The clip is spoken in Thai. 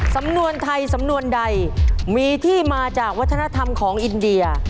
สำนวนไทยสำนวนใดมีที่มาจากวัฒนธรรมของอินเดีย